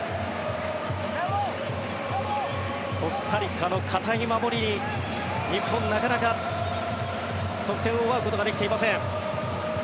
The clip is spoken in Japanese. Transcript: コスタリカの堅い守りに日本、なかなか得点を奪うことができていません。